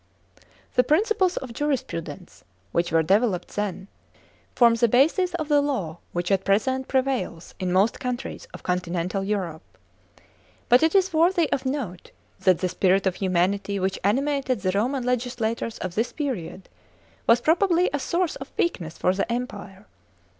The principles of jurisprudence which were developed then, form the basis of the law which at present pre vails in most countries of continental Europe. But it is worthy of note that the spirit of humanity which animated the Roman legis lators of this period, was probably a source of weakness for the Empire.